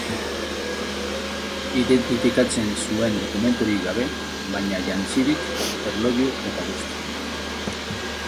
Identifikatzen zuen dokumenturik gabe, baina jantzirik, erloju eta guzti.